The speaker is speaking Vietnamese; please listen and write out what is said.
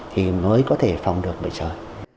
thì mới có thể phòng được bệnh trời